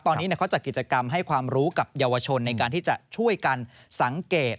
ตอนนี้เขาจัดกิจกรรมให้ความรู้กับเยาวชนในการที่จะช่วยกันสังเกต